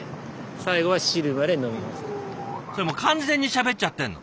それもう完全にしゃべっちゃってんの。